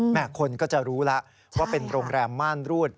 คนก็จะรู้แล้วว่าเป็นโรงแรมม่านรูด